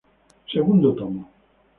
Segundo tomo.